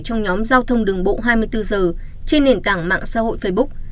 trong nhóm giao thông đường bộ hai mươi bốn giờ trên nền tảng mạng xã hội facebook